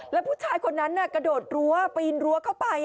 แล้วผู้ชายคนนั้นกระโดดรั้วปีนรั้วเข้าไป